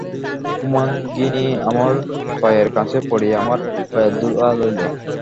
হেমাঙ্গিনী আমার পায়ের কাছে পড়িয়া আমার পায়ের ধূলা লইল।